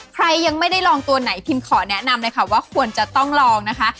ใครยังไม่ได้ลองตัวไหนพิมขอแนะนำเลยค่ะว่าควรจะต้องลองนะคะ